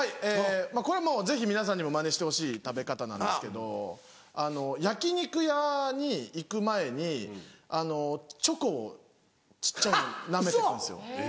これもうぜひ皆さんにもマネしてほしい食べ方なんですけど焼き肉屋に行く前にチョコを小っちゃいのなめて行くんですよ。